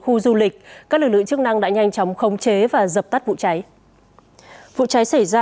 khu du lịch các lực lượng chức năng đã nhanh chóng khống chế và dập tắt vụ cháy vụ cháy xảy ra